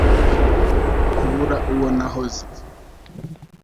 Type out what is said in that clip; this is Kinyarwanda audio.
kubura uwo nahoze